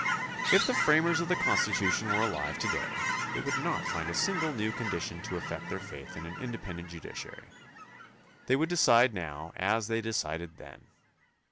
If the framers of the Constitution were alive to day, they would not find a single new condition to affect their faith in an independent judici ary. They would decide now as they decided then.